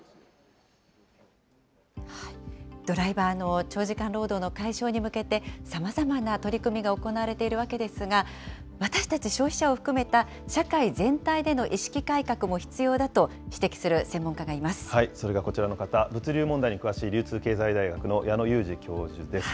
ドライバーの長時間労働の解消に向けて、さまざまな取り組みが行われているわけですが、私たち消費者を含めた社会全体での意識改革も必要だと指摘する専それがこちらの方、物流問題に詳しい流通経済大学の矢野裕児教授です。